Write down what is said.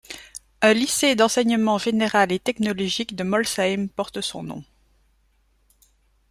Un lycée d'enseignement général et technologique de Molsheim porte son nom.